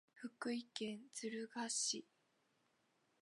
福井県敦賀市